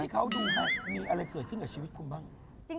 เขาดูฮะมีอะไรเกิดขึ้นกับชีวิตคุณบ้าง